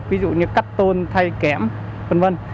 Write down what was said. ví dụ như cắt tôn thay kém v v